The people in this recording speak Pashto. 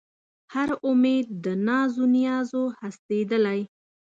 هر اُمید د ناز و نیاز و هستېدلی